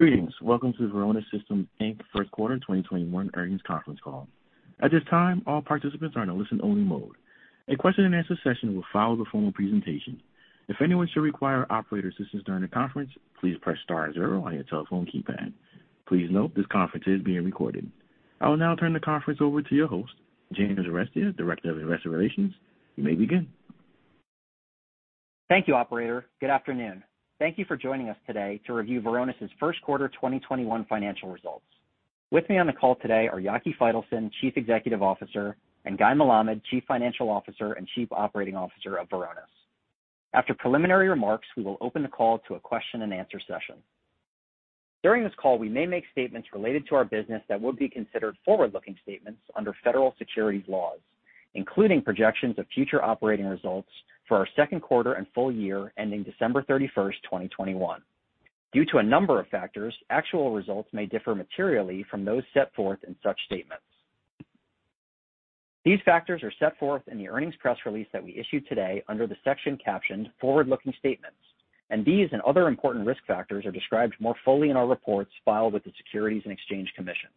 Greetings. Welcome to the Varonis Systems, Inc First Quarter 2021 Earnings Conference Call. At this time, all participants are in a listen-only mode. A question-and-answer session will follow the formal presentation. If anyone should require operator assistance during the conference, please press star zero on your telephone keypad. Please note, this conference is being recorded. I will now turn the conference over to your host, James Arestia, Director of Investor Relations. You may begin. Thank you, Operator. Good afternoon. Thank you for joining us today to review Varonis' First Quarter 2021 Financial Results. With me on the call today are Yaki Faitelson, Chief Executive Officer, and Guy Melamed, Chief Financial Officer and Chief Operating Officer of Varonis. After preliminary remarks, we will open the call to a question-and-answer session. During this call, we may make statements related to our business that would be considered forward-looking statements under federal securities laws, including projections of future operating results for our second quarter and full year ending December 31st, 2021. Due to a number of factors, actual results may differ materially from those set forth in such statements. These factors are set forth in the earnings press release that we issued today under the section captioned Forward-Looking Statements, and these and other important risk factors are described more fully in our reports filed with the Securities and Exchange Commission.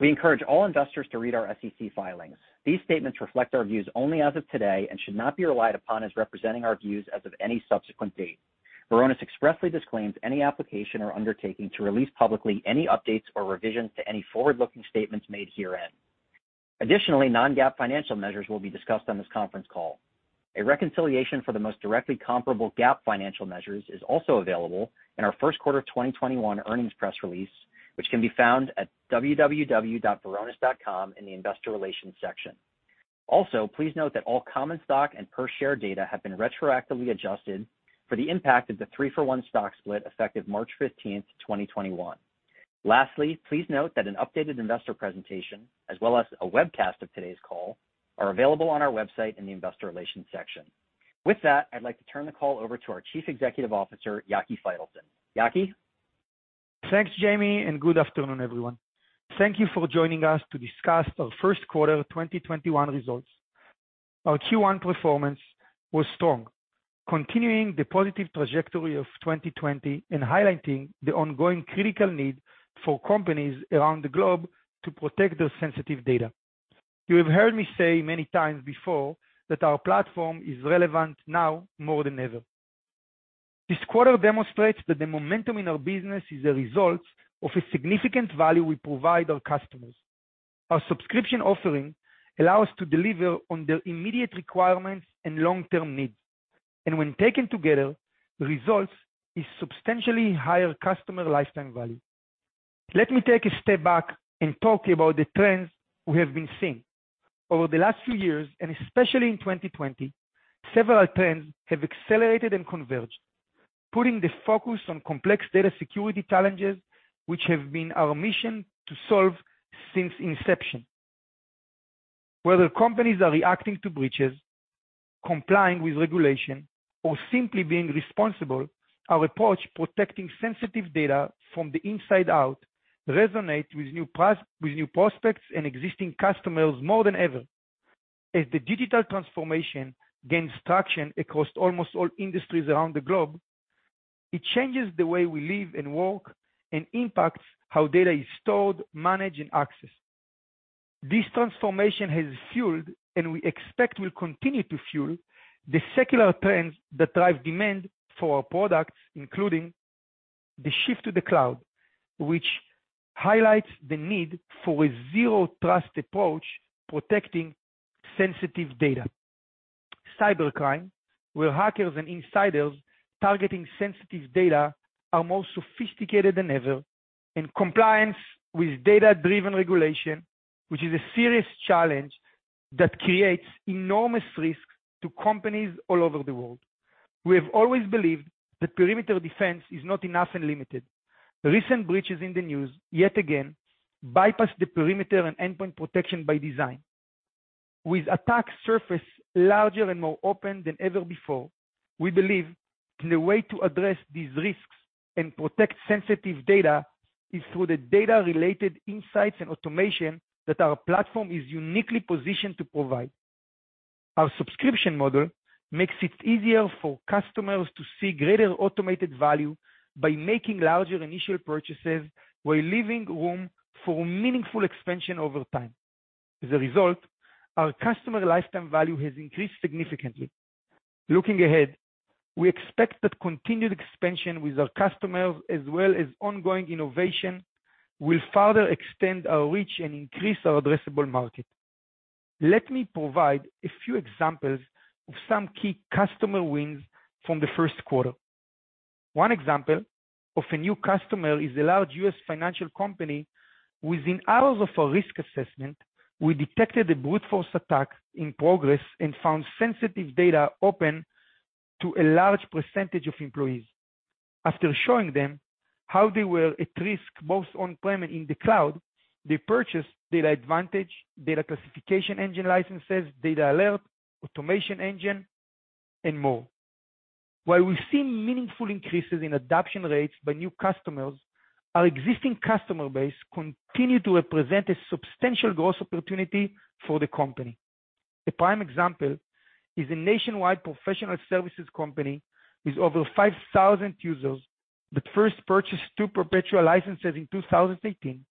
We encourage all investors to read our SEC filings. These statements reflect our views only as of today and should not be relied upon as representing our views as of any subsequent date. Varonis expressly disclaims any application or undertaking to release publicly any updates or revisions to any forward-looking statements made herein. Additionally, non-GAAP financial measures will be discussed on this conference call. A reconciliation for the most directly comparable GAAP financial measures is also available in our first quarter of 2021 earnings press release, which can be found at www.varonis.com in the investor relations section. Also, please note that all common stock and per share data have been retroactively adjusted for the impact of the three-for-one stock split effective March 15th, 2021. Lastly, please note that an updated investor presentation, as well as a webcast of today's call, are available on our website in the investor relations section. With that, I'd like to turn the call over to our Chief Executive Officer, Yaki Faitelson. Yaki? Thanks, Jamie, and good afternoon, everyone. Thank you for joining us to discuss our first quarter 2021 results. Our Q1 performance was strong, continuing the positive trajectory of 2020 and highlighting the ongoing critical need for companies around the globe to protect their sensitive data. You have heard me say many times before that our platform is relevant now more than ever. This quarter demonstrates that the momentum in our business is a result of a significant value we provide our customers. Our subscription offering allows to deliver on their immediate requirements and long-term needs, and when taken together, the result is substantially higher customer lifetime value. Let me take a step back and talk about the trends we have been seeing. Over the last few years, and especially in 2020, several trends have accelerated and converged, putting the focus on complex data security challenges, which have been our mission to solve since inception. Whether companies are reacting to breaches, complying with regulation, or simply being responsible, our approach protecting sensitive data from the inside out resonates with new prospects and existing customers more than ever. As the digital transformation gains traction across almost all industries around the globe, it changes the way we live and work and impacts how data is stored, managed, and accessed. This transformation has fueled, and we expect will continue to fuel, the secular trends that drive demand for our products, including the shift to the cloud, which highlights the need for a zero-trust approach protecting sensitive data. Cybercrime, where hackers and insiders targeting sensitive data are more sophisticated than ever, compliance with data-driven regulation, which is a serious challenge that creates enormous risk to companies all over the world. We have always believed that perimeter defense is not enough and limited. Recent breaches in the news, yet again, bypass the perimeter and endpoint protection by design. With attack surface larger and more open than ever before, we believe the way to address these risks and protect sensitive data is through the data-related insights and automation that our platform is uniquely positioned to provide. Our subscription model makes it easier for customers to see greater automated value by making larger initial purchases while leaving room for meaningful expansion over time. As a result, our customer lifetime value has increased significantly. Looking ahead, we expect that continued expansion with our customers as well as ongoing innovation will further extend our reach and increase our addressable market. Let me provide a few examples of some key customer wins from the first quarter. One example of a new customer is a large U.S. financial company. Within hours of a risk assessment, we detected a brute force attack in progress and found sensitive data open to a large percentage of employees. After showing them how they were at risk, both on-prem and in the cloud, they purchased DatAdvantage, Data Classification Engine licenses, DatAlert, Automation Engine, and more. While we've seen meaningful increases in adoption rates by new customers, our existing customer base continue to represent a substantial growth opportunity for the company. A prime example is a nationwide professional services company with over 5,000 users that first purchased two perpetual licenses in 2018.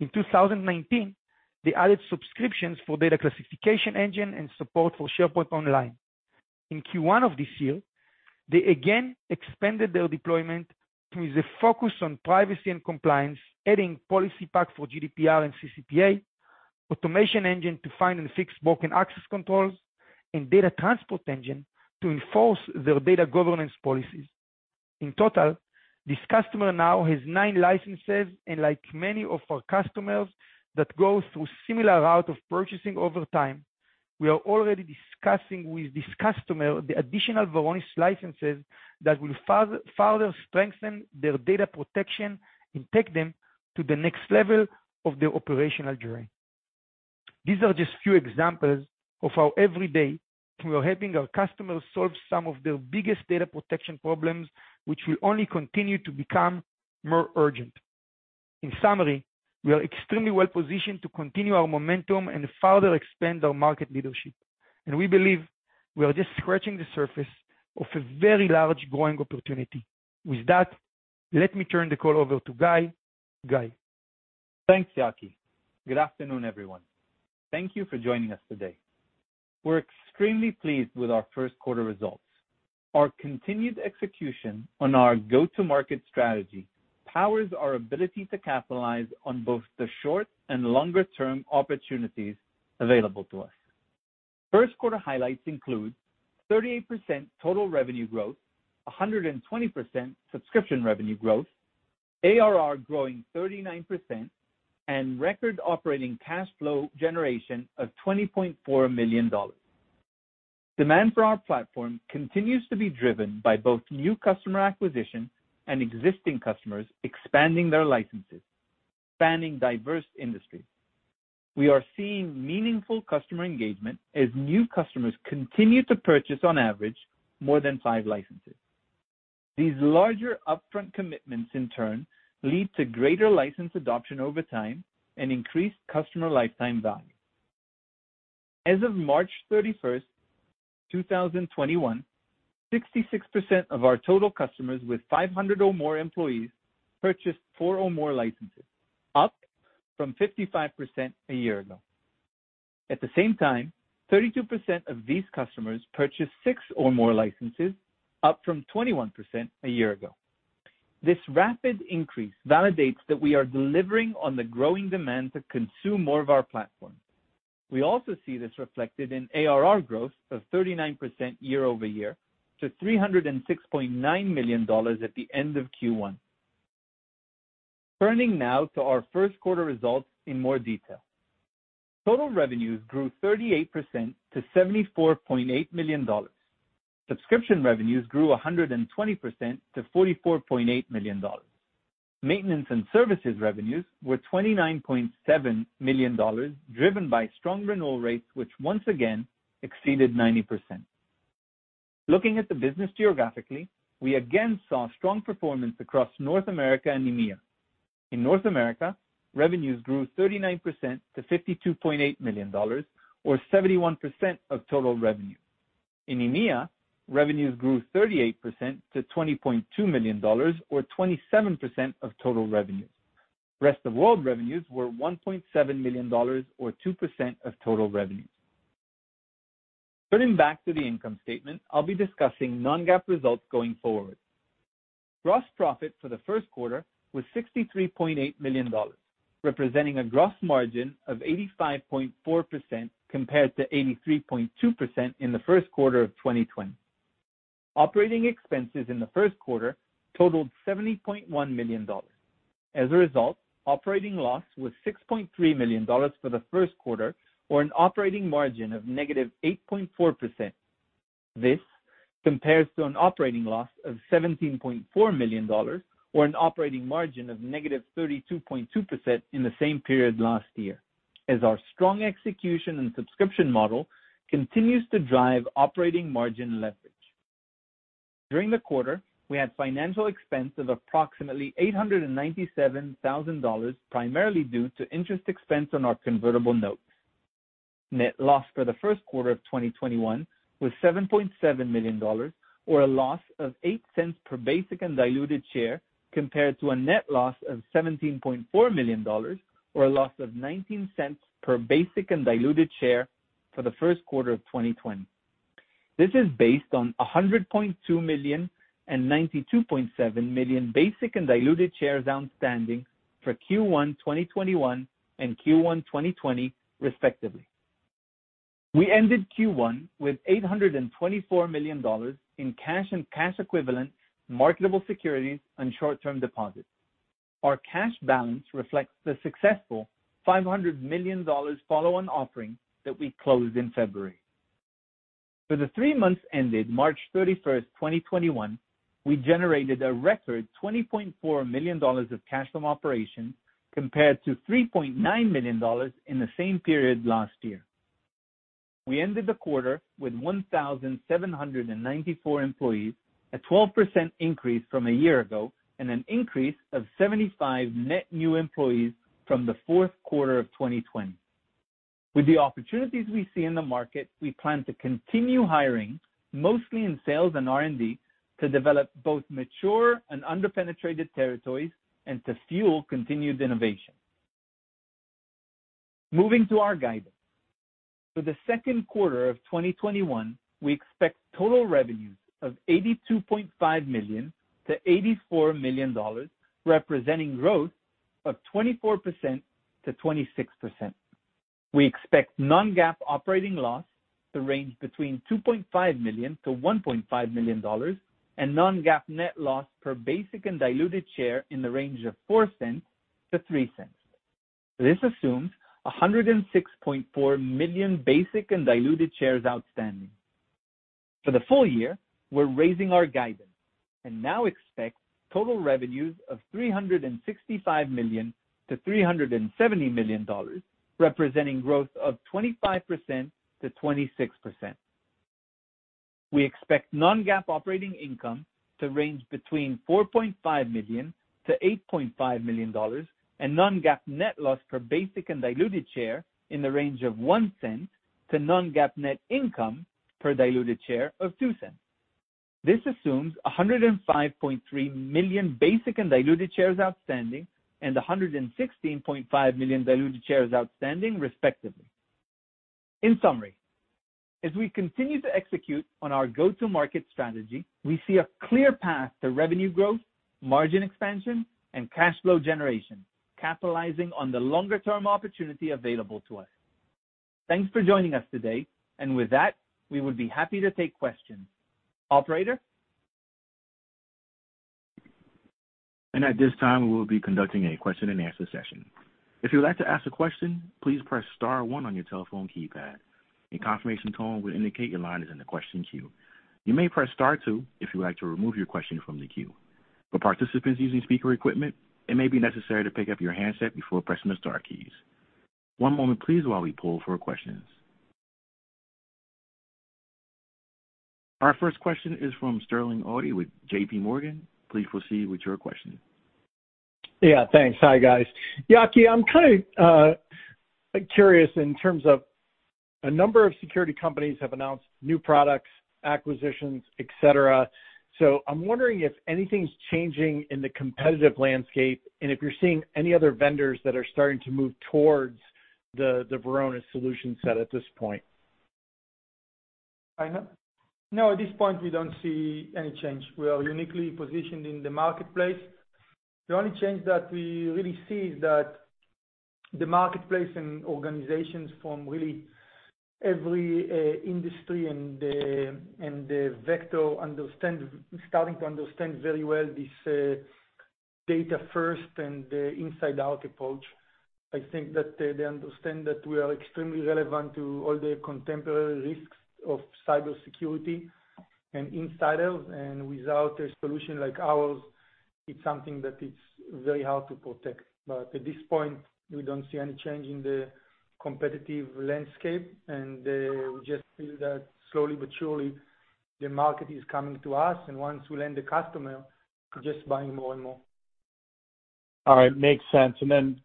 In 2019, they added subscriptions for Data Classification Engine and support for SharePoint Online. In Q1 of this year, they again expanded their deployment with a focus on privacy and compliance, adding Policy Pack for GDPR and CCPA, Automation Engine to find and fix broken access controls, and Data Transport Engine to enforce their data governance policies. In total, this customer now has nine licenses. Like many of our customers that go through similar route of purchasing over time, we are already discussing with this customer the additional Varonis licenses that will further strengthen their data protection and take them to the next level of their operational journey. These are just few examples of how every day we are helping our customers solve some of their biggest data protection problems, which will only continue to become more urgent. In summary, we are extremely well-positioned to continue our momentum and further expand our market leadership, and we believe we are just scratching the surface of a very large growing opportunity. With that, let me turn the call over to Guy. Guy? Thanks, Yaki. Good afternoon, everyone. Thank you for joining us today. We're extremely pleased with our first quarter results. Our continued execution on our go-to-market strategy powers our ability to capitalize on both the short and longer-term opportunities available to us. First quarter highlights include 38% total revenue growth, 120% subscription revenue growth, ARR growing 39%, and record operating cash flow generation of $20.4 million. Demand for our platform continues to be driven by both new customer acquisition and existing customers expanding their licenses, spanning diverse industries. We are seeing meaningful customer engagement as new customers continue to purchase on average more than five licenses. These larger upfront commitments in turn lead to greater license adoption over time and increased customer lifetime value. As of March 31st, 2021, 66% of our total customers with 500 or more employees purchased four or more licenses, up from 55% a year ago. At the same time, 32% of these customers purchased six or more licenses, up from 21% a year ago. This rapid increase validates that we are delivering on the growing demand to consume more of our platform. We also see this reflected in ARR growth of 39% year-over-year to $306.9 million at the end of Q1. Turning now to our first quarter results in more detail. Total revenues grew 38% to $74.8 million. Subscription revenues grew 120% to $44.8 million. Maintenance and services revenues were $29.7 million, driven by strong renewal rates, which once again exceeded 90%. Looking at the business geographically, we again saw strong performance across North America and EMEA. In North America, revenues grew 39% to $52.8 million, or 71% of total revenue. In EMEA, revenues grew 38% to $20.2 million, or 27% of total revenue. Rest of world revenues were $1.7 million, or 2% of total revenue. Turning back to the income statement, I'll be discussing non-GAAP results going forward. Gross profit for the first quarter was $63.8 million, representing a gross margin of 85.4% compared to 83.2% in the first quarter of 2020. Operating expenses in the first quarter totaled $70.1 million. As a result, operating loss was $6.3 million for the first quarter, or an operating margin of -8.4%. This compares to an operating loss of $17.4 million, or an operating margin of -32.2% in the same period last year, as our strong execution and subscription model continues to drive operating margin leverage. During the quarter, we had financial expense of approximately $897,000, primarily due to interest expense on our convertible notes. Net loss for the first quarter of 2021 was $7.7 million, or a loss of $0.08 per basic and diluted share, compared to a net loss of $17.4 million, or a loss of $0.19 per basic and diluted share for the first quarter of 2020. This is based on 100.2 million and 92.7 million basic and diluted shares outstanding for Q1 2021 and Q1 2020, respectively. We ended Q1 with $824 million in cash and cash equivalents, marketable securities, and short-term deposits. Our cash balance reflects the successful $500 million follow-on offering that we closed in February. For the three months ended March 31st, 2021, we generated a record $20.4 million of cash from operation compared to $3.9 million in the same period last year. We ended the quarter with 1,794 employees, a 12% increase from a year ago, and an increase of 75 net new employees from the fourth quarter of 2020. With the opportunities we see in the market, we plan to continue hiring, mostly in sales and R&D, to develop both mature and under-penetrated territories and to fuel continued innovation. Moving to our guidance. For the second quarter of 2021, we expect total revenues of $82.5 million-$84 million, representing growth of 24%-26%. We expect non-GAAP operating loss to range between $2.5 million-$1.5 million and non-GAAP net loss per basic and diluted share in the range of $0.04-$0.03. This assumes 106.4 million basic and diluted shares outstanding. For the full year, we're raising our guidance and now expect total revenues of $365 million-$370 million, representing growth of 25%-26%. We expect non-GAAP operating income to range between $4.5 million-$8.5 million and non-GAAP net loss per basic and diluted share in the range of $0.01 to non-GAAP net income per diluted share of $0.02. This assumes 105.3 million basic and diluted shares outstanding and 116.5 million diluted shares outstanding, respectively. In summary, as we continue to execute on our go-to-market strategy, we see a clear path to revenue growth, margin expansion, and cash flow generation, capitalizing on the longer-term opportunity available to us. Thanks for joining us today. With that, we would be happy to take questions. Operator? And at this time, we will be conducting a question-and-answer session. If you would like to ask a question, please press star one on your telephone keypad. A confirmation tone will indicate your line is in the question queue. You may press star two if you would like to remove your question from the queue. For participants using speaker equipment, it may be necessary to pick up your handset before pressing the star keys. One moment please while we poll for questions. Our first question is from Sterling Auty with JPMorgan. Please proceed with your question. Yeah, thanks. Hi, guys. Yaki, I'm kind of curious in terms of a number of security companies have announced new products, acquisitions, et cetera. I'm wondering if anything's changing in the competitive landscape and if you're seeing any other vendors that are starting to move towards the Varonis solution set at this point. No. At this point, we don't see any change. We are uniquely positioned in the marketplace. The only change that we really see is that the marketplace and organizations from really every industry and the vector starting to understand very well this data first and inside out approach. I think that they understand that we are extremely relevant to all the contemporary risks of cybersecurity and insiders. Without a solution like ours, it's something that it's very hard to protect. At this point, we don't see any change in the competitive landscape, and we just feel that slowly but surely, the market is coming to us. Once we land a customer, they're just buying more and more. All right. Makes sense.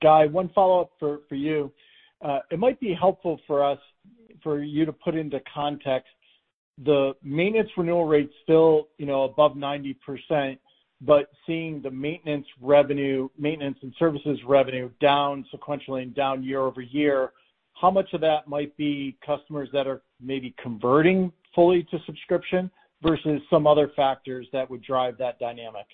Guy, one follow-up for you. It might be helpful for us for you to put into context the maintenance renewal rate's still above 90%, but seeing the maintenance and services revenue down sequentially and down year over year, how much of that might be customers that are maybe converting fully to subscription versus some other factors that would drive that dynamic?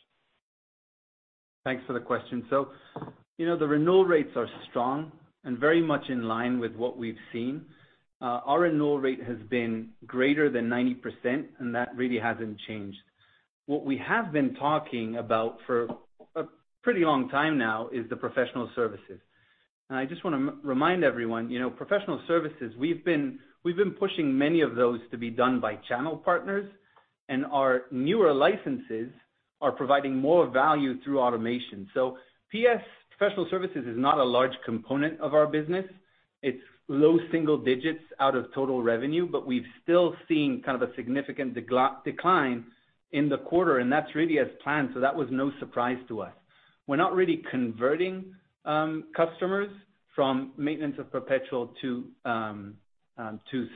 Thanks for the question. The renewal rates are strong and very much in line with what we've seen. Our renewal rate has been greater than 90%, and that really hasn't changed. What we have been talking about for a pretty long time now is the professional services. I just want to remind everyone, professional services, we've been pushing many of those to be done by channel partners, and our newer licenses are providing more value through automation. PS, professional services, is not a large component of our business. It's low single digits out of total revenue, but we've still seen kind of a significant decline in the quarter, and that's really as planned, so that was no surprise to us. We're not really converting customers from maintenance of perpetual to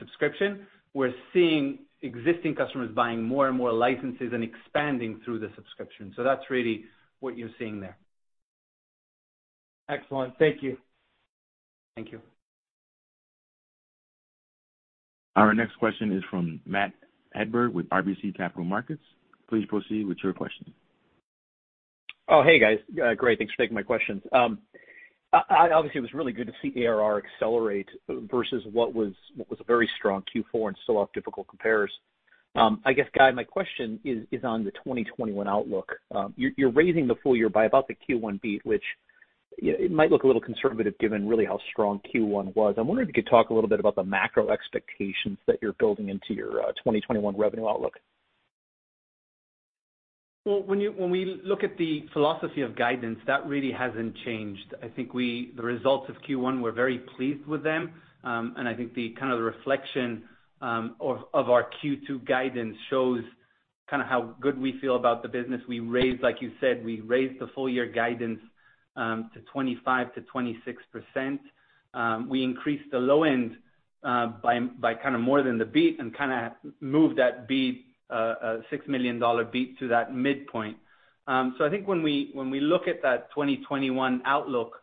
subscription. We're seeing existing customers buying more and more licenses and expanding through the subscription. That's really what you're seeing there. Excellent. Thank you. Thank you. Our next question is from Matt Hedberg with RBC Capital Markets. Please proceed with your question. Oh, hey guys. Great, thanks for taking my questions. Obviously, it was really good to see ARR accelerate versus what was a very strong Q4 and still off difficult compares. I guess, Guy, my question is on the 2021 outlook. You're raising the full year by about the Q1 beat, which it might look a little conservative given really how strong Q1 was. I wonder if you could talk a little bit about the macro expectations that you're building into your 2021 revenue outlook. Well, when we look at the philosophy of guidance, that really hasn't changed. I think the results of Q1, we're very pleased with them. I think the kind of reflection, of our Q2 guidance shows kind of how good we feel about the business. Like you said, we raised the full-year guidance to 25%-26%. We increased the low end by more than the beat and moved that $6 million beat to that midpoint. I think when we look at that 2021 outlook,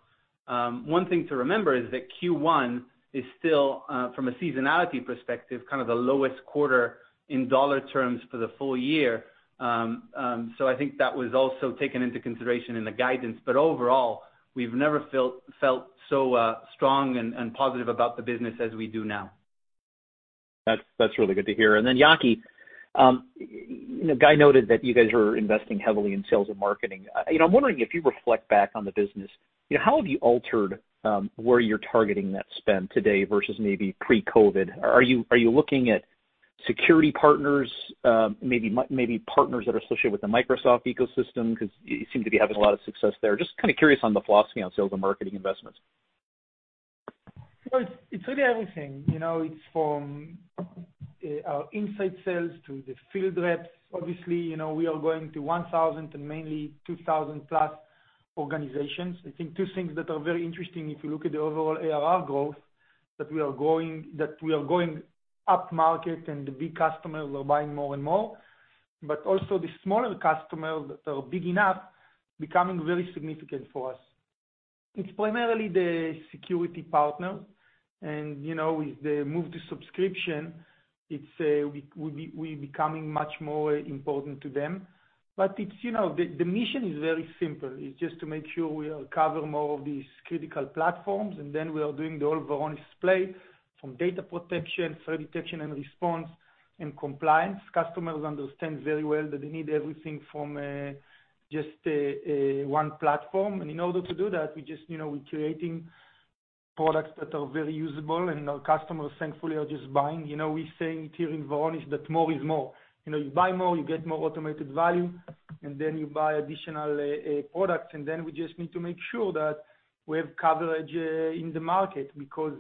one thing to remember is that Q1 is still, from a seasonality perspective, the lowest quarter in dollar terms for the full year. I think that was also taken into consideration in the guidance. overall, we've never felt so strong and positive about the business as we do now. That's really good to hear. Yaki, Guy noted that you guys are investing heavily in sales and marketing. I'm wondering if you reflect back on the business, how have you altered where you're targeting that spend today versus maybe pre-COVID? Are you looking at security partners, maybe partners that are associated with the Microsoft ecosystem because you seem to be having a lot of success there? Just kind of curious on the philosophy on sales and marketing investments. Well, it's really everything. It's from our inside sales to the field reps. Obviously, we are going to 1,000 to mainly 2,000 plus organizations. I think two things that are very interesting if you look at the overall ARR growth, that we are going up market and the big customers are buying more and more, but also the smaller customers that are big enough, becoming very significant for us. It's primarily the security partner, and with the move to subscription, we're becoming much more important to them. The mission is very simple, is just to make sure we cover more of these critical platforms, and then we are doing the overall Varonis play from data protection, threat detection and response, and compliance. Customers understand very well that they need everything from just one platform. In order to do that, we're creating products that are very usable and our customers, thankfully, are just buying. We say it here in Varonis that more is more. You buy more, you get more automated value, and then you buy additional products. We just need to make sure that we have coverage in the market because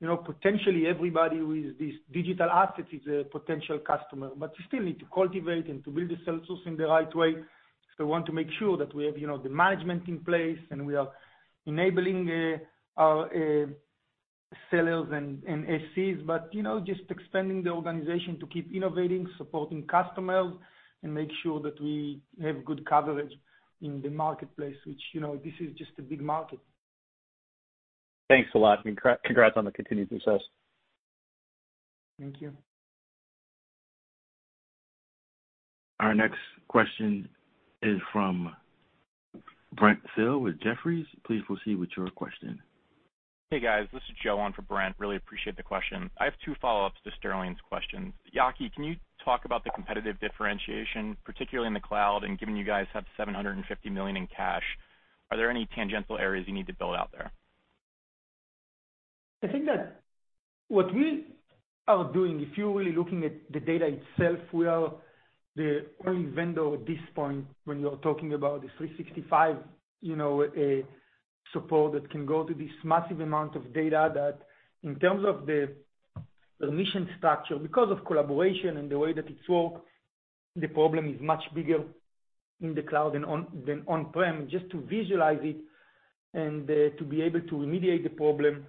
potentially everybody with this digital asset is a potential customer, but you still need to cultivate and to build the sales force in the right way. We want to make sure that we have the management in place and we are enabling our sellers and SCs, but just expanding the organization to keep innovating, supporting customers, and make sure that we have good coverage in the marketplace, which this is just a big market. Thanks a lot, and congrats on the continued success. Thank you. Our next question is from Brent Thill with Jefferies. Please proceed with your question. Hey, guys. This is Joe on for Brent. Really appreciate the question. I have two follow-ups to Sterling's questions. Yaki, can you talk about the competitive differentiation, particularly in the cloud, and given you guys have $750 million in cash, are there any tangential areas you need to build out there? I think that what we are doing, if you're really looking at the data itself, we are the only vendor at this point when you're talking about the 365 support that can go to this massive amount of data, that in terms of the permission structure, because of collaboration and the way that it works, the problem is much bigger in the cloud than on-prem. Just to visualize it and to be able to remediate the problem,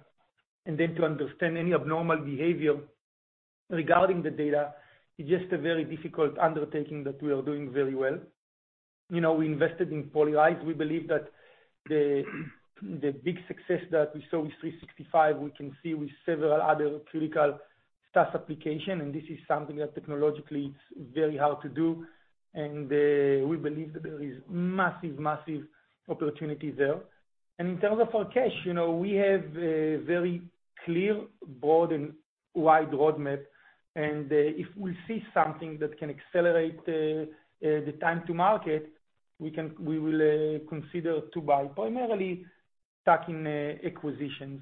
and then to understand any abnormal behavior regarding the data is just a very difficult undertaking that we are doing very well. We invested in Polyrize. We believe that the big success that we saw with 365, we can see with several other critical SaaS applications, and this is something that technologically it's very hard to do, and we believe that there is massive opportunity there. In terms of our cash, we have a very clear, broad, and wide roadmap, and if we see something that can accelerate the time to market, we will consider to buy, primarily tuck-in acquisitions.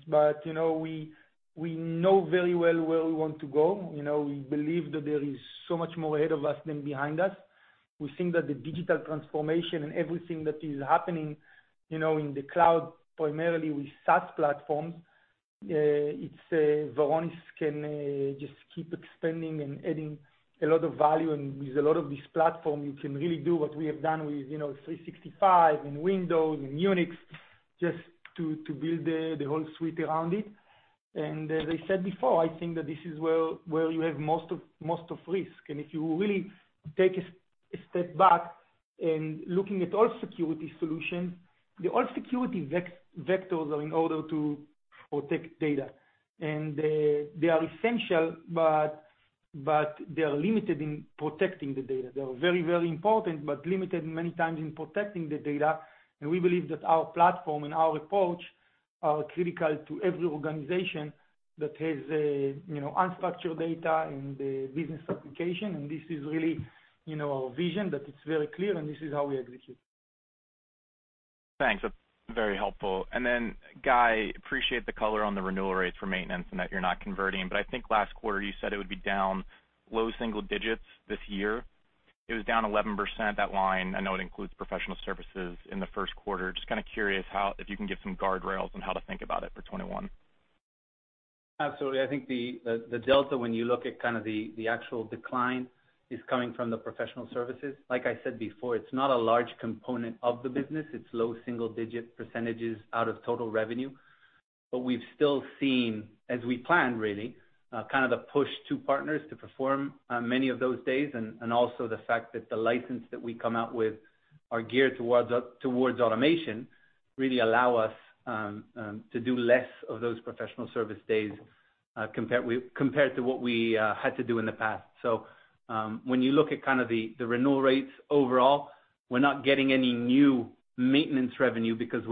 We know very well where we want to go. We believe that there is so much more ahead of us than behind us. We think that the digital transformation and everything that is happening in the cloud, primarily with SaaS platforms, Varonis can just keep expanding and adding a lot of value, and with a lot of these platforms, you can really do what we have done with 365 and Windows and Unix just to build the whole suite around it. As I said before, I think that this is where you have most of risk. if you really take a step back in looking at all security solutions, all security vectors are in order to protect data. They are essential, but they are limited in protecting the data. They are very important, but limited many times in protecting the data, and we believe that our platform and our approach are critical to every organization that has unstructured data in the business application, and this is really our vision, that it's very clear, and this is how we execute. Thanks. That's very helpful. Guy, appreciate the color on the renewal rates for maintenance and that you're not converting, but I think last quarter you said it would be down low single digits this year. It was down 11%, that line, I know it includes professional services in the first quarter. Just kind of curious if you can give some guardrails on how to think about it for 2021. Absolutely. I think the delta, when you look at the actual decline, is coming from the professional services. Like I said before, it's not a large component of the business. It's low single-digit percentages out of total revenue. We've still seen, as we planned really, the push to partners to perform many of those days, and also the fact that the license that we come out with are geared towards automation, really allow us to do less of those professional service days compared to what we had to do in the past. When you look at the renewal rates overall, we're not getting any new maintenance revenue because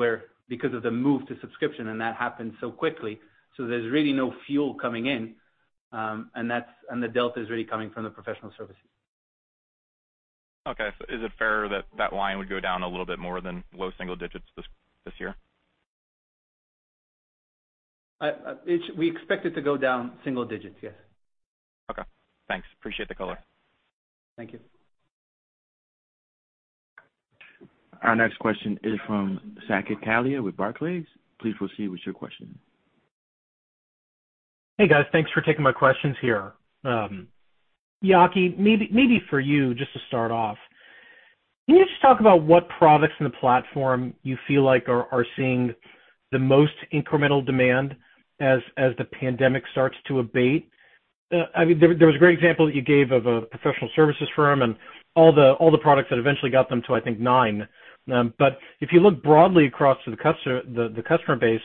of the move to subscription, and that happened so quickly, so there's really no fuel coming in, and the delta is really coming from the professional services. Okay. Is it fair that that line would go down a little bit more than low single digits this year? We expect it to go down single digits, yes. Okay. Thanks. Appreciate the color. Thank you. Our next question is from Saket Kalia with Barclays. Please proceed with your question. Hey, guys. Thanks for taking my questions here. Yaki, maybe for you, just to start off, can you just talk about what products in the platform you feel like are seeing the most incremental demand as the pandemic starts to abate? There was a great example that you gave of a professional services firm and all the products that eventually got them to, I think, nine. If you look broadly across the customer base,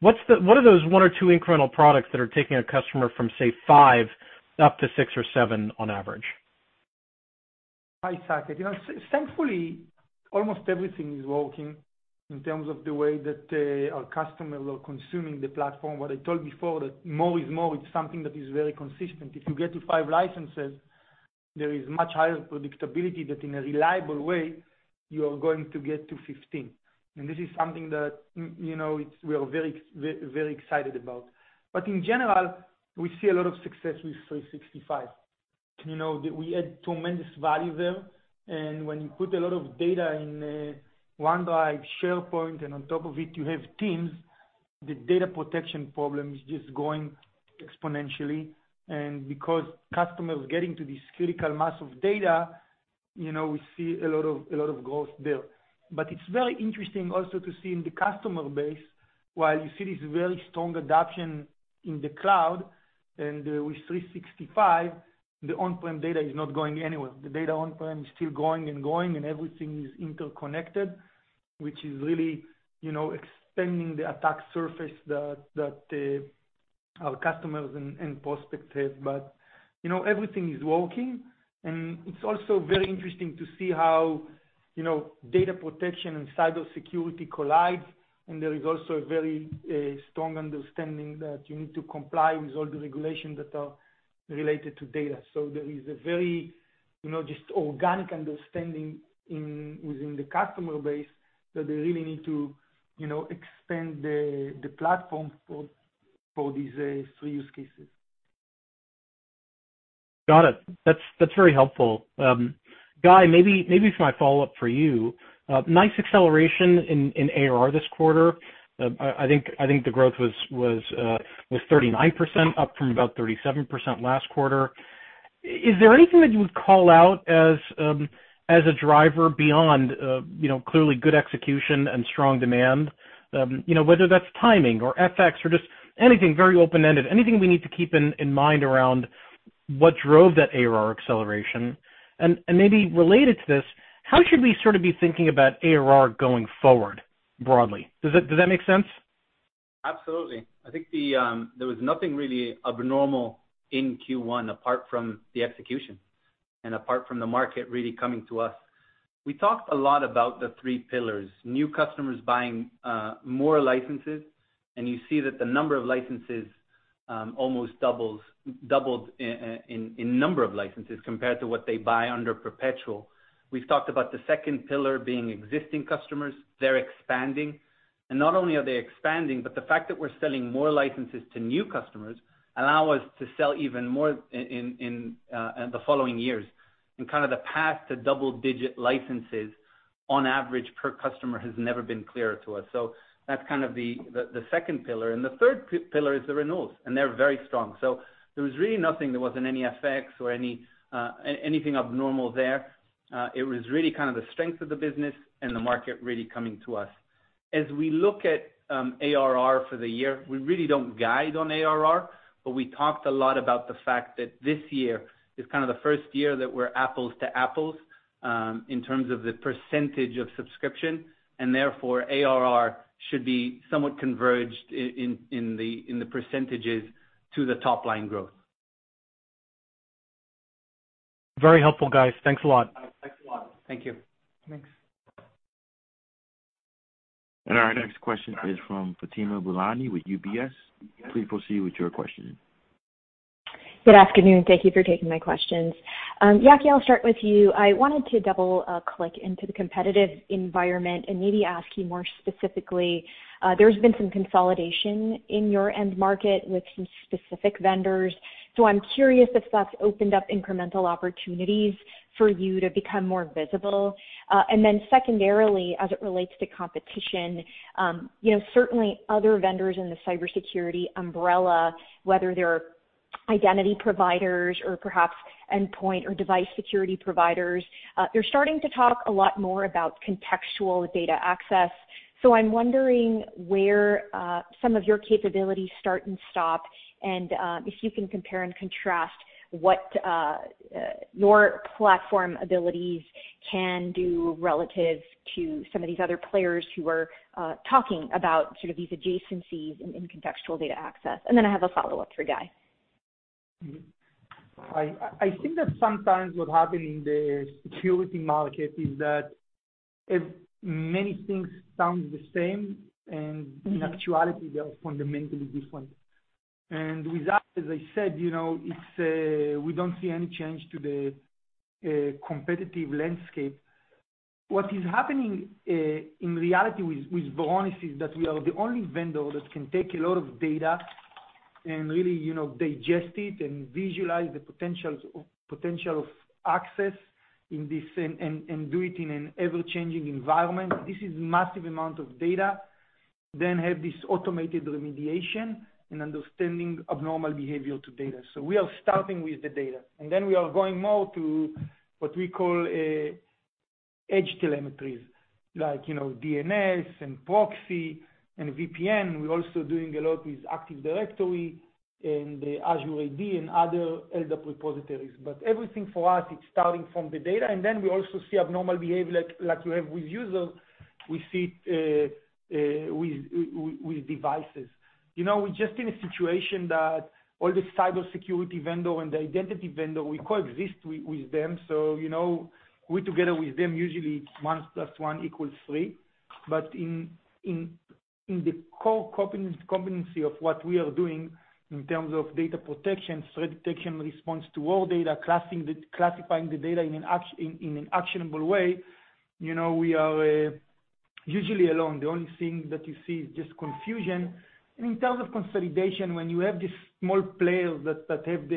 what are those one or two incremental products that are taking a customer from, say, five up to six or seven on average? Hi, Saket. Thankfully, almost everything is working in terms of the way that our customers are consuming the platform. What I told before, that more is more, it's something that is very consistent. If you get to five licenses, there is much higher predictability that in a reliable way, you are going to get to 15. This is something that we are very excited about. In general, we see a lot of success with 365. We add tremendous value there, and when you put a lot of data in OneDrive, SharePoint, and on top of it, you have Teams, the data protection problem is just growing exponentially. And because customers getting to this critical mass of data, we see a lot of growth there. But, it's very interesting also to see in the customer base, while you see this very strong adoption in the cloud and with 365, the on-prem data is not going anywhere. The data on-prem is still going and going, and everything is interconnected, which is really extending the attack surface that our customers and prospects have. everything is working, and it's also very interesting to see how data protection and cybersecurity collide. There is also a very strong understanding that you need to comply with all the regulations that are related to data. There is a very just organic understanding within the customer base that they really need to expand the platform for these three use cases. Got it. That's very helpful. Guy, maybe for my follow-up for you. Nice acceleration in ARR this quarter. I think the growth was 39%, up from about 37% last quarter. Is there anything that you would call out as a driver beyond clearly good execution and strong demand? Whether that's timing or FX or just anything very open-ended, anything we need to keep in mind around what drove that ARR acceleration. Maybe related to this, how should we sort of be thinking about ARR going forward broadly? Does that make sense? Absolutely. I think there was nothing really abnormal in Q1 apart from the execution and apart from the market really coming to us. We talked a lot about the three pillars, new customers buying more licenses, and you see that the number of licenses almost doubled in number of licenses compared to what they buy under perpetual. We've talked about the second pillar being existing customers. They're expanding. Not only are they expanding, but the fact that we're selling more licenses to new customers allow us to sell even more in the following years and kind of the path to double-digit licenses on average per customer has never been clearer to us. That's the second pillar. The third pillar is the renewals, and they're very strong. There was really nothing, there wasn't any effects or anything abnormal there. It was really the strength of the business and the market really coming to us. As we look at ARR for the year, we really don't guide on ARR, but we talked a lot about the fact that this year is kind of the first year that we're apples to apples, in terms of the percentage of subscription, and therefore ARR should be somewhat converged in the percentages to the top-line growth. Very helpful, guys. Thanks a lot. Thank you. Thanks. Our next question is from Fatima Boolani with UBS. Please proceed with your question. Good afternoon. Thank you for taking my questions. Yaki, I'll start with you. I wanted to double-click into the competitive environment and maybe ask you more specifically, there's been some consolidation in your end market with some specific vendors, so I'm curious if that's opened up incremental opportunities for you to become more visible. Secondarily, as it relates to competition, certainly other vendors in the cybersecurity umbrella, whether they're identity providers or perhaps endpoint or device security providers, they're starting to talk a lot more about contextual data access. I'm wondering where some of your capabilities start and stop, and if you can compare and contrast what your platform abilities can do relative to some of these other players who are talking about these adjacencies in contextual data access. I have a follow-up for Guy. I think that sometimes what happen in the security market is that many things sound the same, and in actuality, they are fundamentally different. With that, as I said, we don't see any change to the competitive landscape. What is happening in reality with Varonis is that we are the only vendor that can take a lot of data and really digest it and visualize the potential of access in this, and do it in an ever-changing environment. This is massive amount of data, then have this automated remediation and understanding abnormal behavior to data. We are starting with the data, and then we are going more to what we call edge telemetries, like DNS and proxy and VPN. We're also doing a lot with Active Directory and Azure AD and other LDAP repositories. Everything for us, it's starting from the data, and then we also see abnormal behavior, like we have with users, we see it with devices. We're just in a situation that all the cybersecurity vendor and the identity vendor, we coexist with them. We together with them, usually it's one plus one equals three. In the core competency of what we are doing in terms of data protection, threat detection, response to all data, classifying the data in an actionable way, we are usually alone. The only thing that you see is just confusion. In terms of consolidation, when you have these small players that have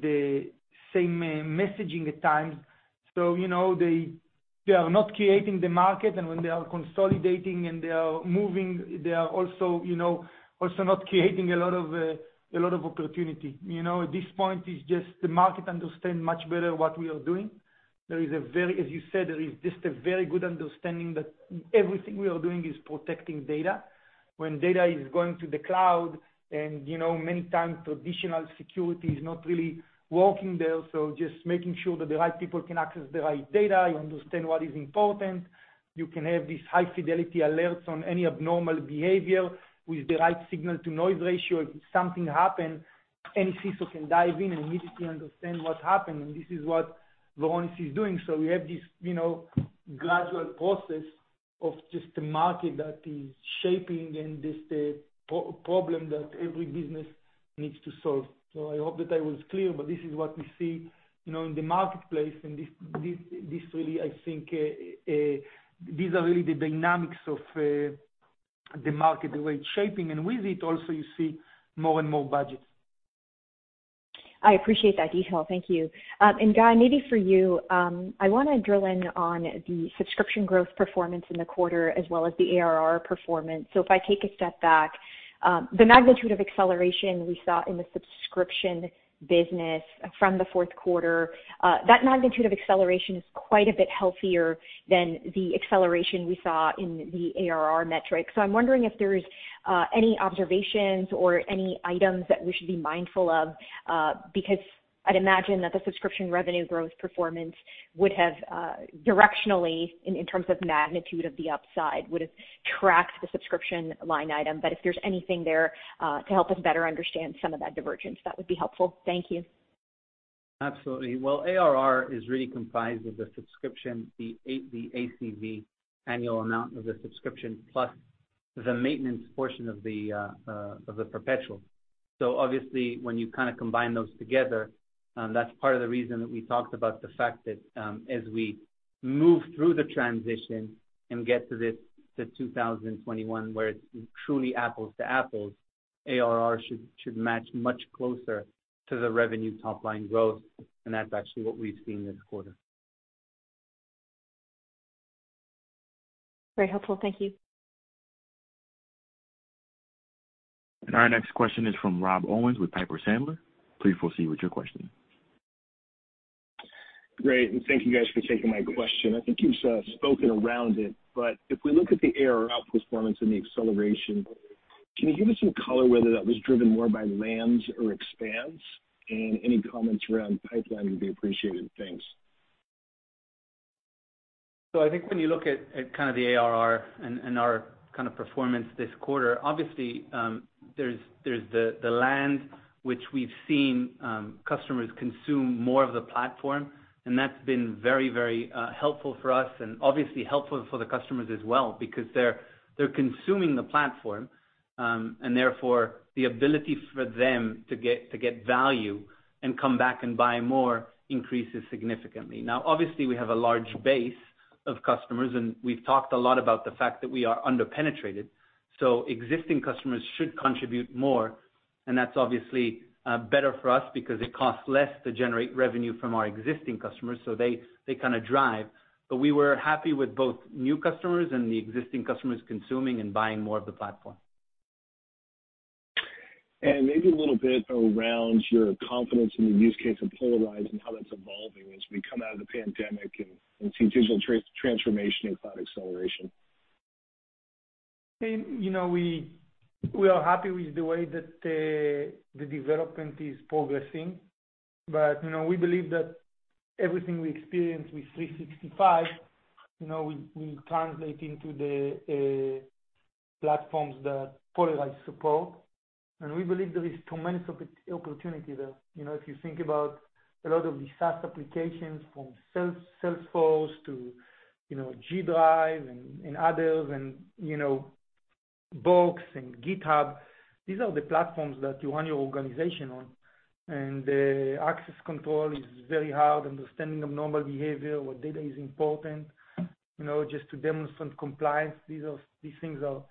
the same messaging at times. They are not creating the market, and when they are consolidating and they are moving, they are also not creating a lot of opportunity. This point is just the market understand much better what we are doing. As you said, there is just a very good understanding that everything we are doing is protecting data. When data is going to the cloud, and many times traditional security is not really working there. Just making sure that the right people can access the right data, you understand what is important. You can have these high fidelity alerts on any abnormal behavior with the right signal-to-noise ratio. If something happen, any CISO can dive in and immediately understand what happened, and this is what Varonis is doing. We have this gradual process of just the market that is shaping and just the problem that every business needs to solve. I hope that I was clear, but this is what we see in the marketplace, and this really, I think, these are really the dynamics of the market, the way it's shaping. With it also, you see more and more budgets. I appreciate that detail. Thank you. Guy, maybe for you, I want to drill in on the subscription growth performance in the quarter as well as the ARR performance. If I take a step back, the magnitude of acceleration we saw in the subscription business from the fourth quarter, that magnitude of acceleration is quite a bit healthier than the acceleration we saw in the ARR metric. I'm wondering if there's any observations or any items that we should be mindful of, because I'd imagine that the subscription revenue growth performance would have directionally, in terms of magnitude of the upside, would've tracked the subscription line item. If there's anything there, to help us better understand some of that divergence, that would be helpful. Thank you. Absolutely. Well, ARR is really comprised of the subscription, the ACV, annual amount of the subscription, plus the maintenance portion of the perpetual. Obviously, when you combine those together, that's part of the reason that we talked about the fact that, as we move through the transition and get to this, to 2021, where it's truly apples to apples, ARR should match much closer to the revenue top line growth, and that's actually what we've seen this quarter. Very helpful. Thank you. Our next question is from Rob Owens with Piper Sandler. Please proceed with your question. Great, and thank you guys for taking my question. I think you've spoken around it, but if we look at the ARR outperformance and the acceleration, can you give us some color whether that was driven more by lands or expands? Any comments around pipeline would be appreciated. Thanks. I think when you look at kind of the ARR and our kind of performance this quarter, obviously, there's the land which we've seen customers consume more of the platform, and that's been very helpful for us and obviously helpful for the customers as well because they're consuming the platform. Therefore, the ability for them to get value and come back and buy more increases significantly. Now, obviously, we have a large base of customers, and we've talked a lot about the fact that we are under-penetrated, so existing customers should contribute more. That's obviously better for us because it costs less to generate revenue from our existing customers, so they kind of drive. We were happy with both new customers and the existing customers consuming and buying more of the platform. Maybe a little bit around your confidence in the use case of Polyrize and how that's evolving as we come out of the pandemic and see digital transformation and cloud acceleration. We are happy with the way that the development is progressing, but we believe that everything we experience with 365, will translate into the platforms that Polyrize support. We believe there is tremendous opportunity there. If you think about a lot of the SaaS applications from Salesforce to Google Drive and others, and Box and GitHub, these are the platforms that you want your organization on. Access control is very hard, understanding of normal behavior, what data is important, just to demonstrate compliance. These things are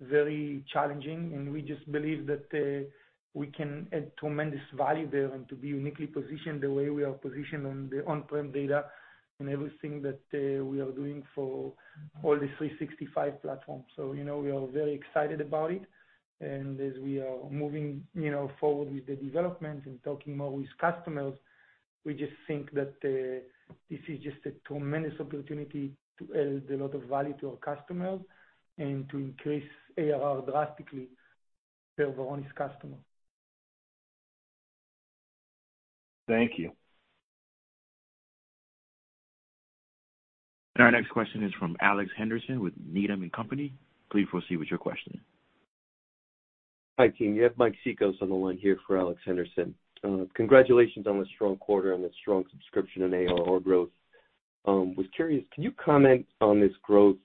very challenging, and we just believe that we can add tremendous value there and to be uniquely positioned the way we are positioned on the on-prem data and everything that we are doing for all the 365 platforms. We are very excited about it. And as we are moving forward with the development and talking more with customers, we just think that this is just a tremendous opportunity to add a lot of value to our customers and to increase ARR drastically for our Varonis customer. Thank you. Our next question is from Alex Henderson with Needham & Company. Please proceed with your question. Hi, team. You have Mike Cikos on the line here for Alex Henderson. Congratulations on the strong quarter and the strong subscription and ARR growth. Was curious, can you comment on this growth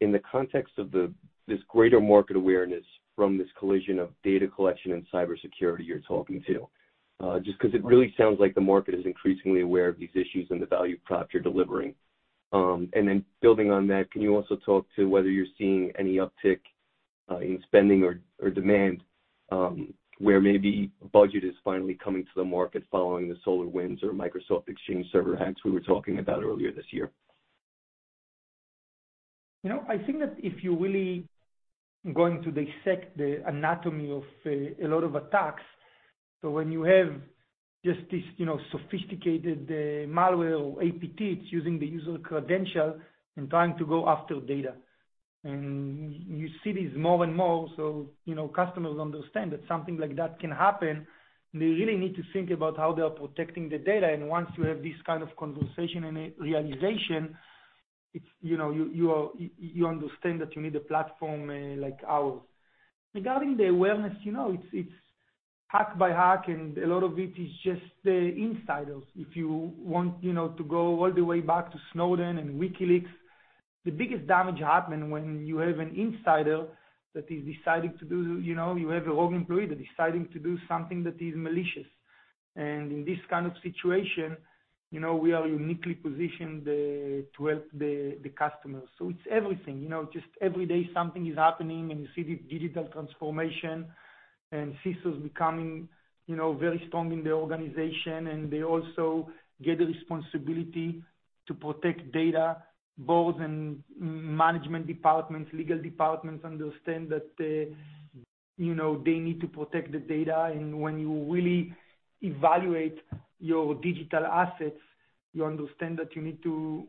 in the context of this greater market awareness from this collision of data collection and cybersecurity you're talking to? Just because it really sounds like the market is increasingly aware of these issues and the value prop you're delivering. Building on that, can you also talk to whether you're seeing any uptick in spending or demand, where maybe budget is finally coming to the market following the SolarWinds or Microsoft Exchange server hacks we were talking about earlier this year? I think that if you're really going to dissect the anatomy of a lot of attacks, so when you have just this sophisticated malware or APT, it's using the user credential and trying to go after data. You see this more and more, so customers understand that something like that can happen, and they really need to think about how they are protecting the data. Once you have this kind of conversation and realization, you understand that you need a platform like ours. Regarding the awareness, it's hack by hack, and a lot of it is just the insiders. If you want to go all the way back to Snowden and WikiLeaks, the biggest damage happen when you have an insider. You have your own employee that is deciding to do something that is malicious. In this kind of situation, we are uniquely positioned to help the customers. It's everything. Just every day, something is happening, and you see the digital transformation and CISOs becoming very strong in the organization, and they also get the responsibility to protect data, boards and management departments, legal departments understand that they need to protect the data. When you really evaluate your digital assets, you understand that you need to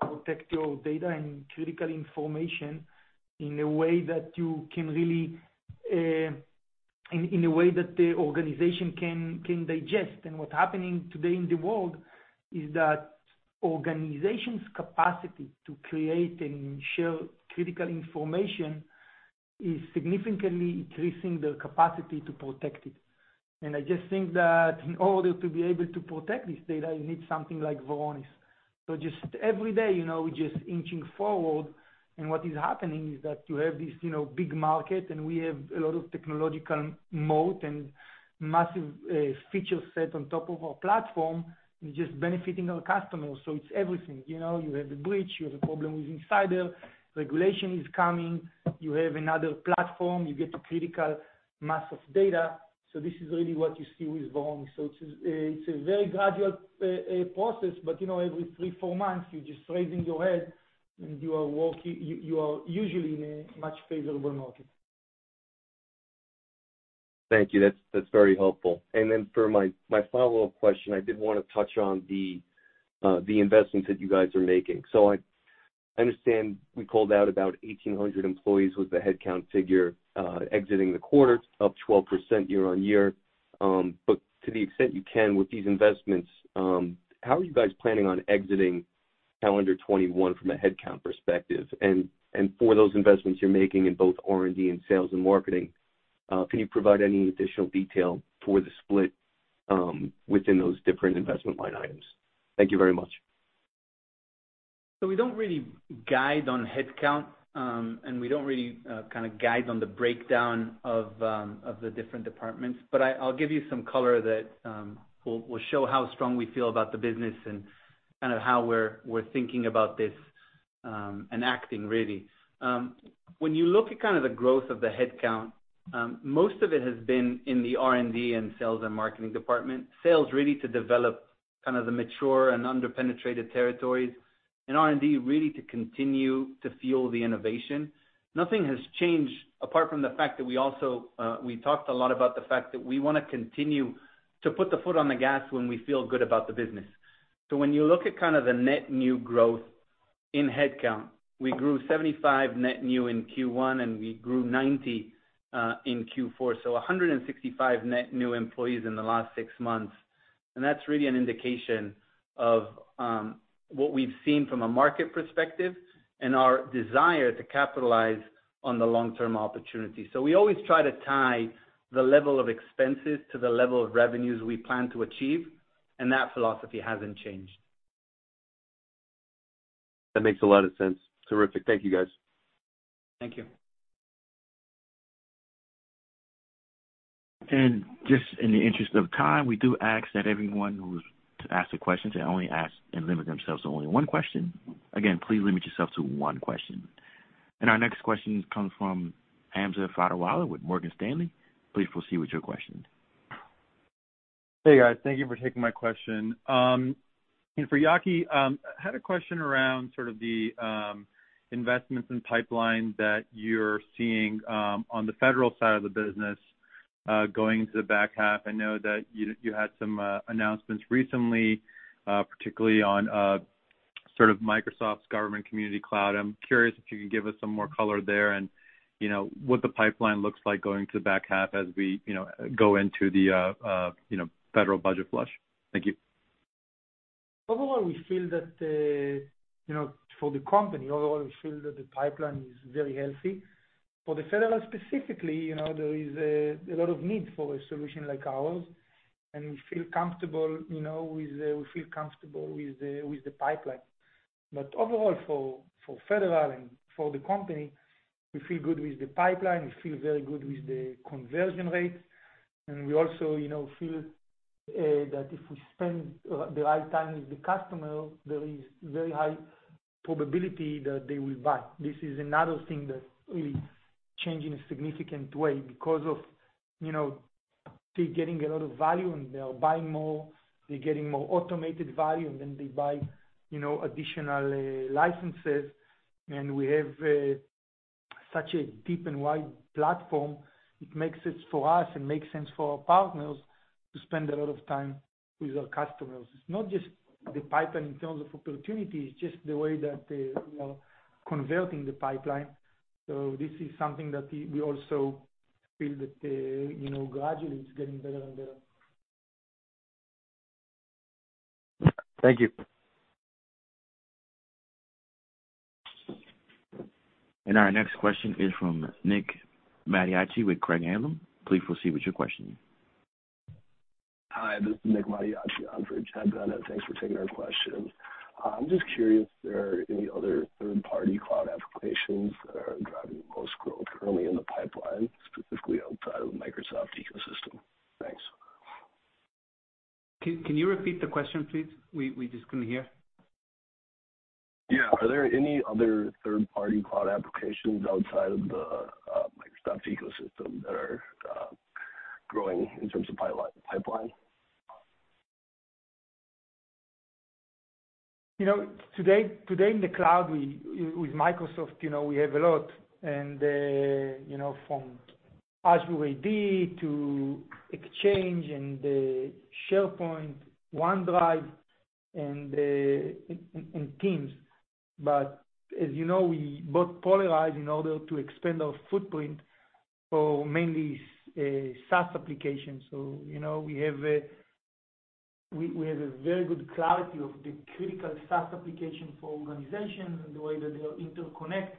protect your data and critical information in a way that the organization can digest. What's happening today in the world is that organizations' capacity to create and share critical information is significantly increasing the capacity to protect it. I just think that in order to be able to protect this data, you need something like Varonis. But, just every day, we're just inching forward, and what is happening is that you have this big market, and we have a lot of technological moat and massive feature set on top of our platform, and just benefiting our customers. So, it's everything. You have the breach, you have a problem with insider, regulation is coming, you have another platform, you get to critical mass of data. This is really what you see with Varonis. It's a very gradual process, but every three, four months, you're just raising your head and you are usually in a much favorable market. Thank you. That's very helpful. For my follow-up question, I did want to touch on the investments that you guys are making. I understand we called out about 1,800 employees was the headcount figure exiting the quarter, up 12% year-over-year. To the extent you can with these investments, how are you guys planning on exiting calendar 2021 from a headcount perspective? For those investments you're making in both R&D and sales and marketing, can you provide any additional detail for the split within those different investment line items? Thank you very much. We don't really guide on headcount, and we don't really kind of guide on the breakdown of the different departments. I'll give you some color that will show how strong we feel about the business and kind of how we're thinking about this, and acting, really. When you look at kind of the growth of the headcount, most of it has been in the R&D and sales and marketing department. Sales, really to develop kind of the mature and under-penetrated territories. In R&D, really to continue to fuel the innovation. Nothing has changed apart from the fact that we talked a lot about the fact that we want to continue to put the foot on the gas when we feel good about the business. When you look at kind of the net new growth in headcount, we grew 75 net new in Q1, and we grew 90 in Q4, so 165 net new employees in the last six months. That's really an indication of what we've seen from a market perspective and our desire to capitalize on the long-term opportunity. We always try to tie the level of expenses to the level of revenues we plan to achieve, and that philosophy hasn't changed. That makes a lot of sense. Terrific. Thank you, guys. Thank you. Just in the interest of time, we do ask that everyone who's to ask a question to only ask and limit themselves to only one question. Again, please limit yourself to one question. Our next question comes from Hamza Fodderwala with Morgan Stanley. Please proceed with your question. Hey, guys. Thank you for taking my question. For Yaki, I had a question around sort of the investments in pipeline that you're seeing on the federal side of the business, going to the back half. I know that you had some announcements recently, particularly on sort of Microsoft's Government Community Cloud, I'm curious if you can give us some more color there and what the pipeline looks like going to the back half as we go into the federal budget flush. Thank you. Overall, we feel that for the company, the pipeline is very healthy. For the federal specifically, there is a lot of need for a solution like ours, and we feel comfortable with the pipeline. Overall, for federal and for the company, we feel good with the pipeline. We feel very good with the conversion rates, and we also feel that if we spend the right time with the customer, there is very high probability that they will buy. This is another thing that really change in a significant way because they're getting a lot of value, and they are buying more. They're getting more automated value than they buy additional licenses. We have such a deep and wide platform. It makes sense for us and makes sense for our partners to spend a lot of time with our customers. It's not just the pipeline in terms of opportunity, it's just the way that they're converting the pipeline. This is something that we also feel that gradually it's getting better and better. Thank you. Our next question is from Nick Mattiacci with Craig-Hallum. Please proceed with your question. Hi, this is Nick Mattiacci. I'm for Craig-Hallum. Thanks for taking our question. I'm just curious if there are any other third-party cloud applications that are driving the most growth currently in the pipeline, specifically outside of the Microsoft ecosystem. Thanks. Can you repeat the question, please? We just couldn't hear. Yeah. Are there any other third-party cloud applications outside of the Microsoft ecosystem that are growing in terms of pipeline? Today in the cloud, with Microsoft, we have a lot. From Azure AD to Exchange and SharePoint, OneDrive and Teams. As you know, we bought Polyrize in order to expand our footprint for mainly SaaS applications. We have a very good clarity of the critical SaaS application for organizations and the way that they are interconnect.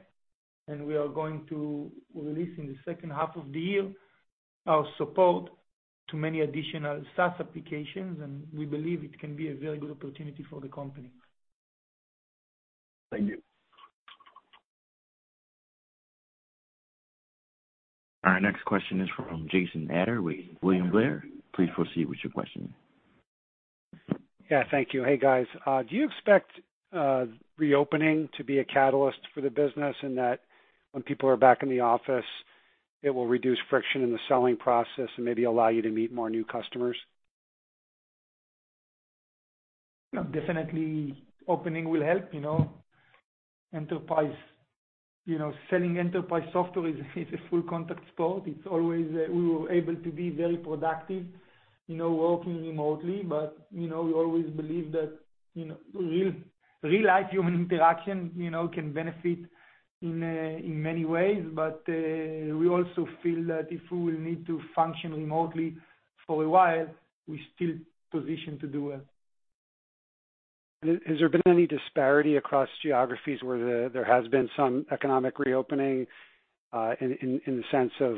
We are going to release in the second half of the year our support to many additional SaaS applications, and we believe it can be a very good opportunity for the company. Thank you. Our next question is from Jason Ader with William Blair. Please proceed with your question. Yeah, thank you. Hey, guys. Do you expect reopening to be a catalyst for the business in that when people are back in the office, it will reduce friction in the selling process and maybe allow you to meet more new customers? No, definitely opening will help. Selling enterprise software is a full-contact sport. It's always we were able to be very productive working remotely, but, we always believe that real life human interaction can benefit in many ways. We also feel that if we will need to function remotely for a while, we're still positioned to do it. Has there been any disparity across geographies where there has been some economic reopening, in the sense of,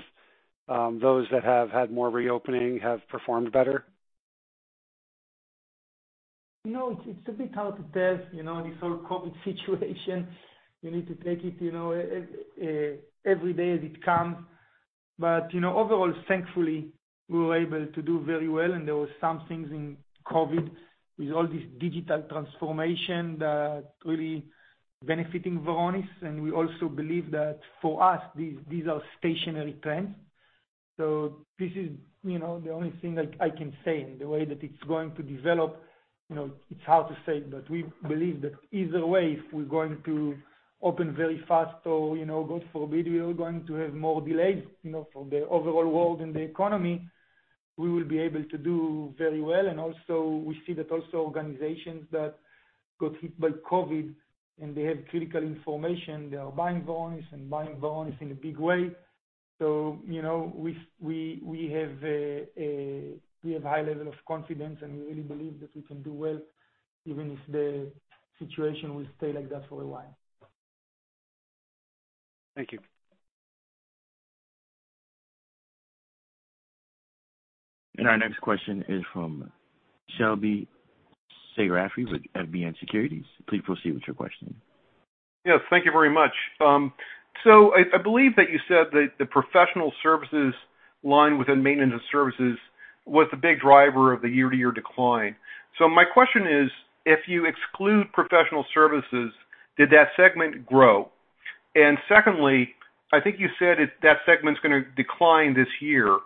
those that have had more reopening have performed better? No, it's a bit hard to tell, this whole COVID situation. You need to take it every day as it comes. Overall, thankfully, we were able to do very well, and there were some things in COVID with all this digital transformation that really benefiting Varonis. We also believe that for us, these are stationary trends. This is the only thing that I can say, and the way that it's going to develop, it's hard to say. We believe that either way, if we're going to open very fast or, God forbid, we are going to have more delays, from the overall world and the economy, we will be able to do very well. Also, we see that also organizations that got hit by COVID and they have critical information, they are buying Varonis and buying Varonis in a big way. We have a high level of confidence, and we really believe that we can do well, even if the situation will stay like that for a while. Thank you. Our next question is from Shebly Seyrafi with FBN Securities. Please proceed with your question. Yes, thank you very much. I believe that you said that the professional services line within maintenance and services was the big driver of the year-to-year decline. My question is: if you exclude professional services, did that segment grow? Secondly, I think you said that segment's going to decline this year.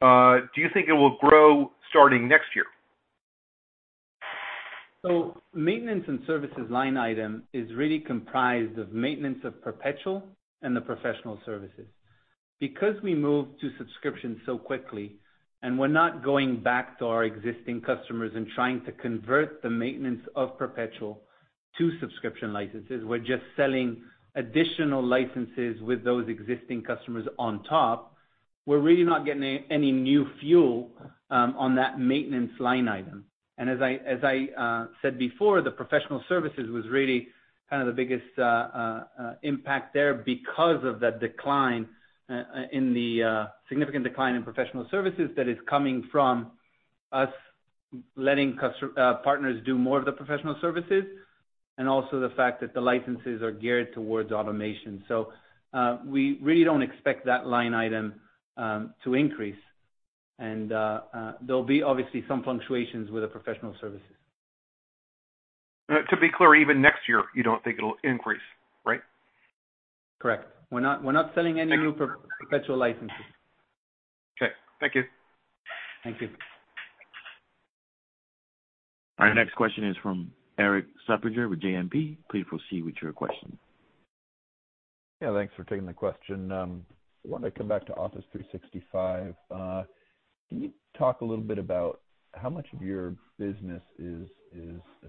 Do you think it will grow starting next year? Maintenance and services line item is really comprised of maintenance of perpetual and the professional services. Because we moved to subscription so quickly, and we're not going back to our existing customers and trying to convert the maintenance of perpetual to subscription licenses, we're just selling additional licenses with those existing customers on top. We're really not getting any new fuel on that maintenance line item. As I said before, the professional services was really kind of the biggest impact there because of the significant decline in professional services that is coming from us letting partners do more of the professional services, and also the fact that the licenses are geared towards automation. We really don't expect that line item to increase. There'll be obviously some punctuations with the professional services. To be clear, even next year, you don't think it'll increase, right? Correct. We're not selling any new... Thank you.... Perpetual licenses. Okay, thank you. Thank you. Our next question is from Erik Suppiger with JMP. Please proceed with your question. Yeah, thanks for taking the question. I wanted to come back to Office 365. Can you talk a little bit about how much of your business is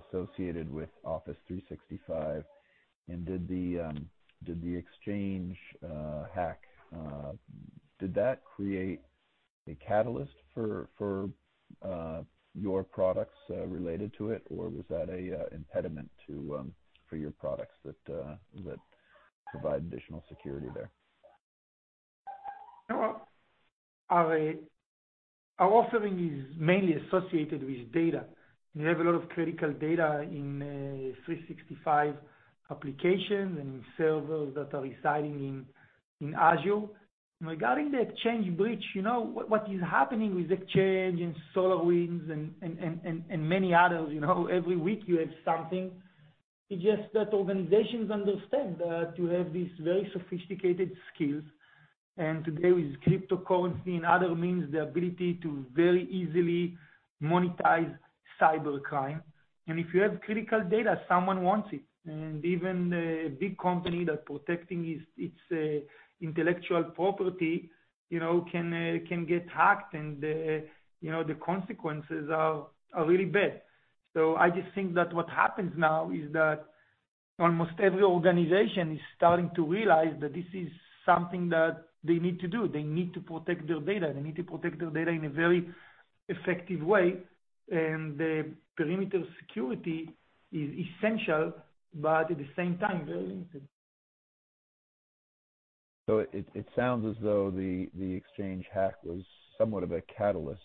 associated with Office 365? Did the Exchange hack, did that create a catalyst for your products related to it, or was that an impediment for your products that provide additional security there? Our offering is mainly associated with data. We have a lot of critical data in 365 applications and servers that are residing in Azure. Regarding the Exchange breach, what is happening with Exchange and SolarWinds and many others, every week you have something. It's just that organizations understand that you have these very sophisticated skills, and today with cryptocurrency and other means, the ability to very easily monetize cybercrime. If you have critical data, someone wants it. Even a big company that protecting its intellectual property can get hacked, and the consequences are really bad. I just think that what happens now is that almost every organization is starting to realize that this is something that they need to do. They need to protect their data. They need to protect their data in a very effective way, and the perimeter security is essential, but at the same time, very limited. It sounds as though the Exchange hack was somewhat of a catalyst.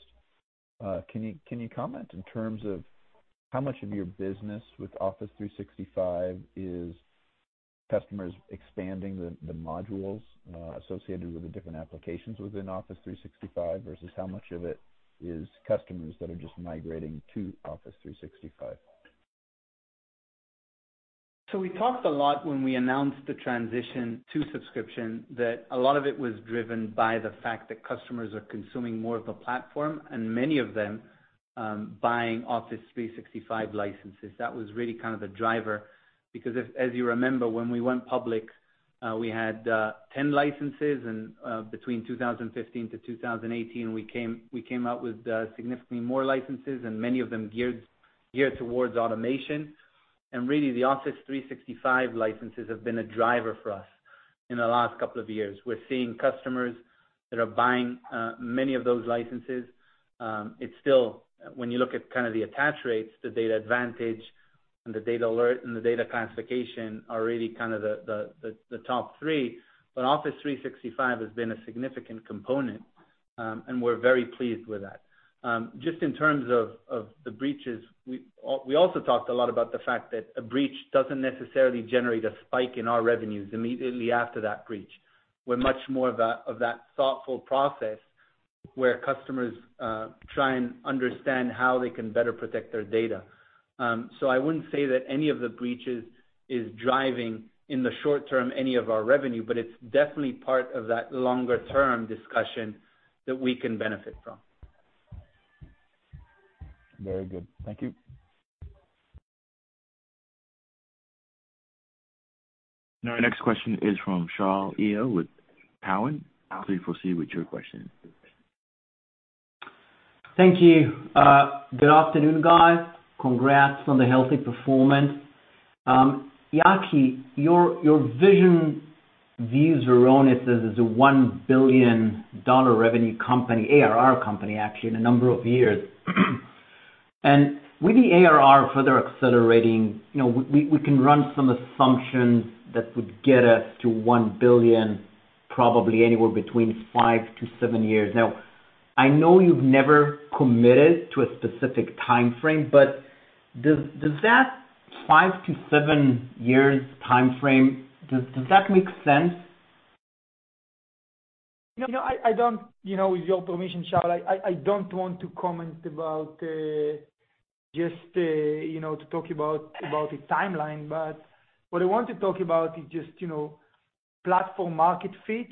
Can you comment in terms of how much of your business with Office 365 is customers expanding the modules associated with the different applications within Office 365, versus how much of it is customers that are just migrating to Office 365? We talked a lot when we announced the transition to subscription, that a lot of it was driven by the fact that customers are consuming more of the platform, and many of them buying Office 365 licenses. That was really kind of the driver, because as you remember, when we went public, we had 10 licenses, and between 2015 to 2018, we came out with significantly more licenses, and many of them geared towards automation. Really, the Office 365 licenses have been a driver for us in the last couple of years. We're seeing customers that are buying many of those licenses. It's still, when you look at kind of the attach rates, the DatAdvantage and the DatAlert and the Data Classification are really kind of the top three. Office 365 has been a significant component, and we're very pleased with that. Just in terms of the breaches, we also talked a lot about the fact that a breach doesn't necessarily generate a spike in our revenues immediately after that breach. We're much more of that thoughtful process where customers try and understand how they can better protect their data. I wouldn't say that any of the breaches is driving, in the short term, any of our revenue, but it's definitely part of that longer-term discussion that we can benefit from. Very good. Thank you. Now our next question is from Shaul Eyal with Cowen. Please proceed with your question. Thank you. Good afternoon, guys. Congrats on the healthy performance. Yaki, your vision views Varonis as a $1 billion revenue company, ARR company, actually, in a number of years. With the ARR further accelerating, we can run some assumptions that would get us to $1 billion, probably anywhere between five to seven years. Now, I know you've never committed to a specific timeframe, but does that five to seven years timeframe, does that make sense? No, with your permission, Shaul, I don't want to comment about, just to talk about the timeline. What I want to talk about is just platform market fit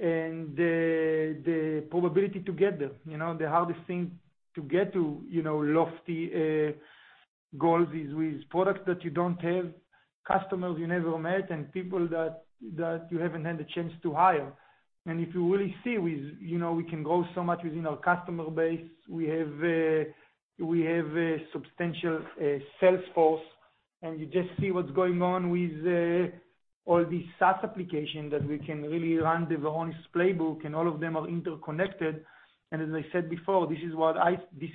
and the probability to get there. The hardest thing to get to lofty goals is with products that you don't have, customers you never met, and people that you haven't had a chance to hire. If you really see, we can grow so much within our customer base. We have a substantial sales force, and you just see what's going on with all these SaaS applications that we can really run the Varonis playbook, and all of them are interconnected. As I said before, this is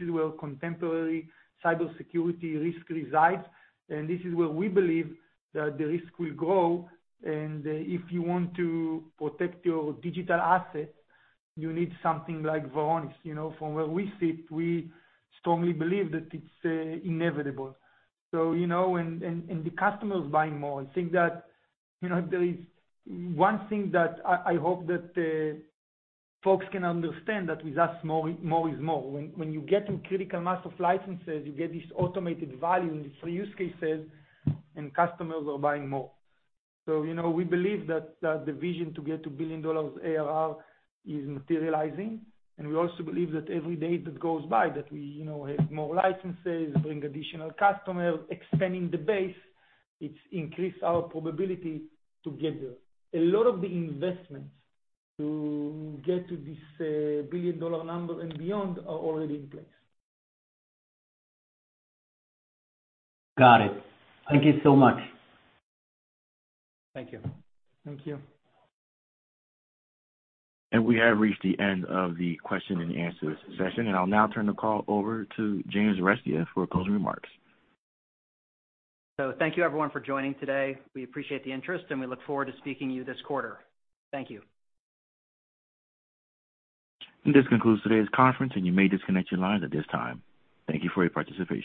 where contemporary cybersecurity risk resides, and this is where we believe that the risk will grow. If you want to protect your digital assets, you need something like Varonis. From where we sit, we strongly believe that it's inevitable. The customers buying more, I think that there is one thing that I hope that folks can understand that with us more is more. When you get to critical mass of licenses, you get this automated value and these free use cases, and customers are buying more. We believe that the vision to get to billion-dollar ARR is materializing, and we also believe that every day that goes by that we have more licenses, bring additional customers, expanding the base, it increase our probability to get there. A lot of the investments to get to this billion-dollar number and beyond are already in place. Got it. Thank you so much. Thank you. Thank you. We have reached the end of the question and answer session, and I'll now turn the call over to James Arestia for closing remarks. Thank you everyone for joining today. We appreciate the interest, and we look forward to speaking to you this quarter. Thank you. This concludes today's conference, and you may disconnect your lines at this time. Thank you for your participation.